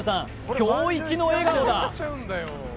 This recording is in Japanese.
今日イチの笑顔だ